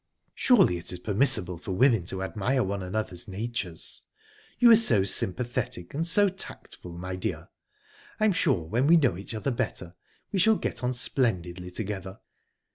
"Surely it is permissible for women to admire one another's natures? You are so sympathetic, and so tactful, my dear. I'm sure when we know each other better we shall get on splendidly together."